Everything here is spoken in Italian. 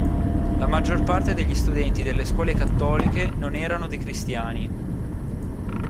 La maggior parte degli studenti delle scuole cattoliche non erano di cristiani.